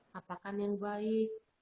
katakan yang baik